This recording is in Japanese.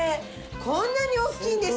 こんなに大きいんですよ。